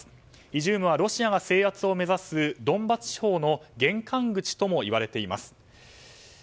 イジュームはロシアが制圧を目指すドンバス地方の玄関口とも言われています。